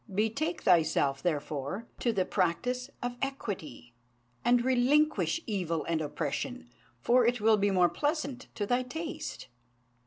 Betake thyself, therefore, to the practice of equity, and relinquish evil and oppression; for it will be more pleasant to thy taste."